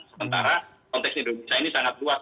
sementara konteks indonesia ini sangat luas